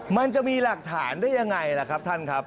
มันจะมีหลักฐานได้ยังไงล่ะครับท่านครับ